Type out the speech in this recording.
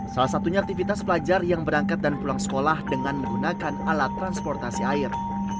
salah satunya aktivitas pelajar yang berangkat dan pulang sekolah dengan menggunakan alat transportasi air